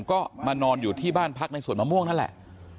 ก็มานอนอยู่ที่บ้านพักในสวนมะม่วงนั่นแหละ